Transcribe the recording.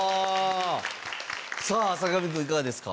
さあ坂上くんいかがですか？